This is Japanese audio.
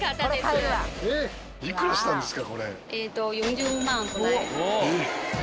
いくらしたんですか？